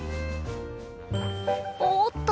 おっと。